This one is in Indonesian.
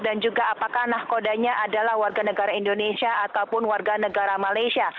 dan juga apakah nahkodanya adalah warga negara indonesia ataupun warga negara malaysia